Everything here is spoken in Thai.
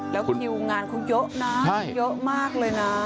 แล้วคิวงานเขาเยอะนะเยอะมากเลยนะ